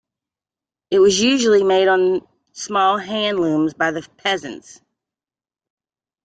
It was usually made on small hand-looms by the peasants.